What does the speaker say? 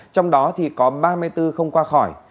trong đó có ba mươi bốn không qua khỏi